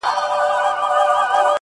ږغونه ورک دي د ماشومانو،